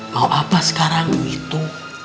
mau apa sekarang itu